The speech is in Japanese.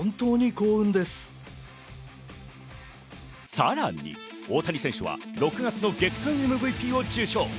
さらに大谷選手は６月の月間ＭＶＰを受賞。